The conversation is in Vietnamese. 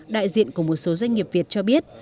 đại diện của một số doanh nghiệp việt cho biết